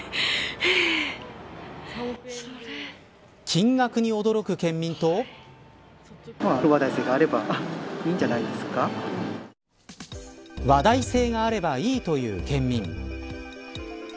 金額に驚く県民と話題性があればいいという県民。